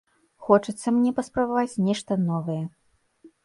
Хочацца мне паспрабаваць нешта новае.